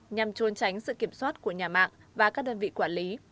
nhằm trôn tránh sự kiểm soát của nhà mạng và các đơn vị quản lý